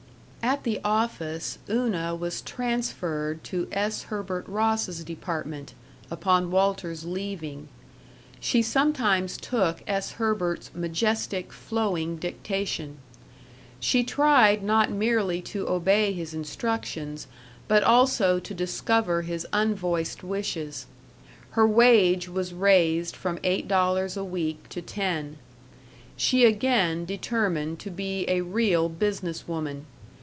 At the office Una was transferred to S. Herbert Ross's department, upon Walter's leaving. She sometimes took S. Herbert's majestic, flowing dictation. She tried not merely to obey his instructions, but also to discover his unvoiced wishes. Her wage was raised from eight dollars a week to ten. She again determined to be a real business woman.